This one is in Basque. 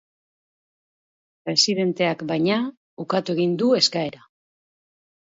Presidenteak, baina, ukatu egin du eskaera.